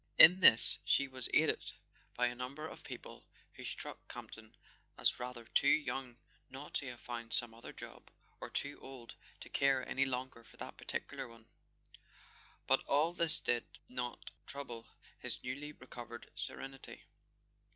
In this she was aided by a num¬ ber of people who struck Campton as rather too young not to have found some other job, or too old to care any longer for that particular one. But all this did not trouble his newly recovered serenity.